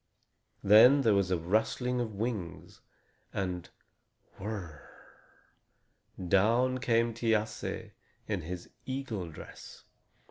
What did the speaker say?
Then there was a rustling of wings, and whirr rr rr! Down came Thiasse in his eagle dress.